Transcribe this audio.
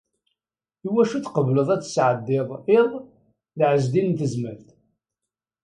Iwacu tqebleḍ ad tesɛeddiḍ iḍ d Ɛezdin n Tezmalt?